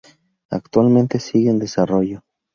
Actualmente sigue en desarrollo.